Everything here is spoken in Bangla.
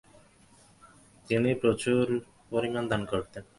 তিনি প্রচুর পরিমাণ দান করতেন।